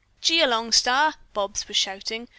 "Gee along, Star," Bobs was shouting.